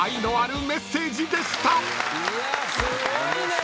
すごいね！